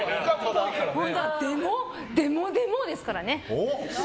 でもでもですからね。